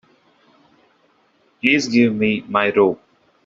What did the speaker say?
Please give me my robe.